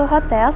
jangan fo plum